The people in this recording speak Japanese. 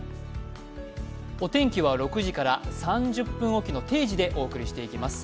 お天気は６時から３０分おきの定時でお送りしていきます。